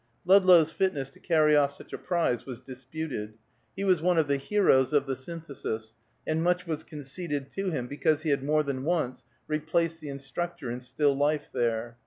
Ludlow's fitness to carry off such a prize was disputed; he was one of the heroes of the Synthesis, and much was conceded to him because he had more than once replaced the instructor in still life there.